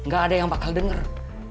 gak ada yang bakal denger